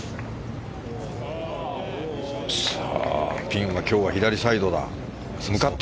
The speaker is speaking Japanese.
ピンは今日は左サイドだ。